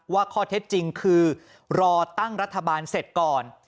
ว่าข้อเท็จจริงคือรอตั้งรัฐบาลเสร็จก่อน